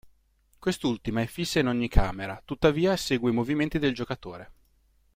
Quest'ultima è fissa in ogni camera, tuttavia segue i movimenti del giocatore.